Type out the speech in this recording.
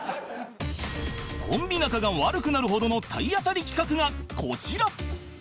コンビ仲が悪くなるほどの体当たり企画がこちら